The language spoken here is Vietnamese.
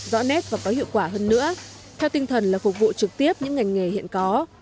rõ nét và có hiệu quả hơn nữa theo tinh thần là phục vụ trực tiếp những ngành nghề hiện có